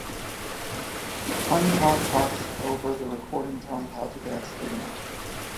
Pine Top talks over the recording, telling how to dance to the number.